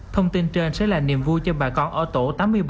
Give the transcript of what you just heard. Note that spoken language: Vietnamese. thông tin trên sẽ là niềm vui cho bà con ở tổ tám mươi bảy